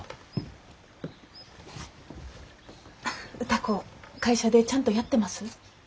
歌子会社でちゃんとやってます？